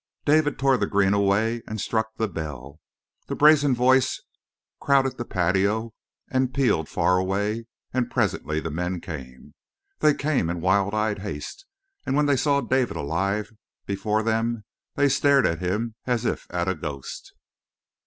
David tore the green away and struck the bell. The brazen voice crowded the patio and pealed far away, and presently the men came. They came in wild eyed haste, and when they saw David alive before them they stared at him as if at a ghost.